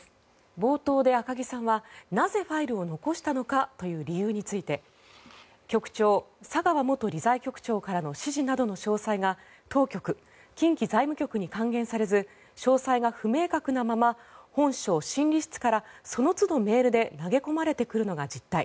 冒頭で赤木さんはなぜファイルを残したのかという理由について局長、佐川元理財局長からの指示などの詳細が当局、近畿財務局に還元されず詳細が不明確なまま本省審理室からそのつどメールで投げ込まれてくるのが実態。